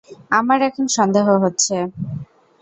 আমার এখন সন্দেহ হচ্ছে।